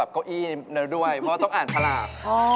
ต้องอ่านธราบ